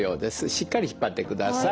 しっかり引っ張ってください。